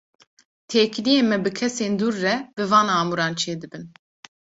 Têkiliyên me bi kesên dûr re, bi van amûran çêdibin.